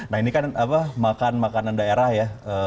nah ini kan makan makanan daerah ya